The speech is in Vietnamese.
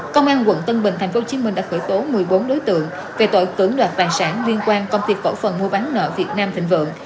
công an quận tân bình tp hcm đã khởi tố một mươi bốn đối tượng về tội cưỡng đoạt tài sản liên quan công ty cổ phần mua bán nợ việt nam thịnh vượng